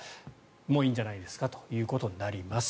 もういいんじゃないですかということになります。